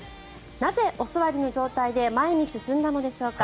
なぜ、お座りの状態で前に進んだのでしょうか。